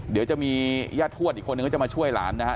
เดี๋ยวจะมีย่าทวดอีกคนนึงจะมาช่วยหลานนะครับ